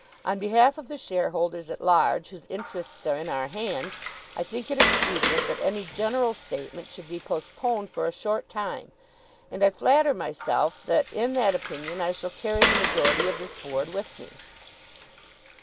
On behalf of the shareholders at large whose interests are in our hands, I think it expedient that any general statement should be postponed for a short time, and I flatter myself that in that opinion I shall carry the majority of this Board with me."